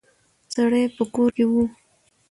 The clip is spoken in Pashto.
سړی په کور کې و.